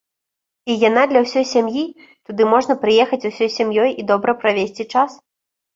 І яна для ўсёй сям'і, туды можна прыехаць ўсёй сям'ёй і добра правесці час.